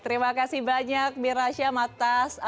terima kasih banyak mirasya matas